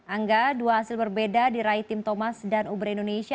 angga dua hasil berbeda diraih tim thomas dan uber indonesia